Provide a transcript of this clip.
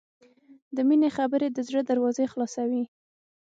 د مینې خبرې د زړه دروازې خلاصوي.